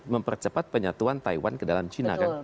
mempercepat penyatuan taiwan ke dalam cina kan